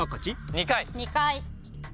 ２回。